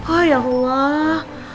oh ya allah